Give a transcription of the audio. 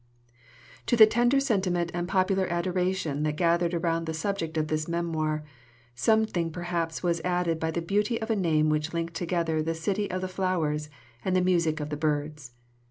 To the tender sentiment and popular adoration that gathered around the subject of this Memoir, something perhaps was added by the beauty of a name which linked together the City of the Flowers and the music of the birds.